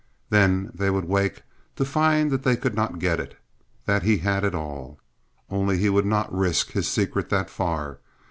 Then they would wake to find that they could not get it; that he had it all. Only he would not risk his secret that far.